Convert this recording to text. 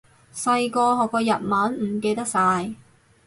細個學過日文，唔記得晒